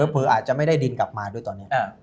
เผลออาจจะไม่ได้ดินกลับมาด้วยตอนนี้